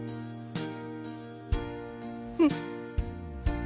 うん。